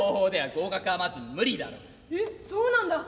「えっそうなんだ。